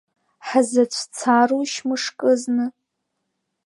Ҳзацәцарушь мышкызны?